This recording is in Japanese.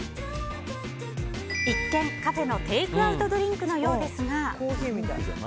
一見、カフェのテイクアウトドリンクのようですが。